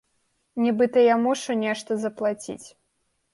Нібыта я мушу нешта заплаціць.